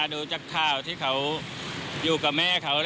ดูจากข่าวที่เขาอยู่กับแม่เขา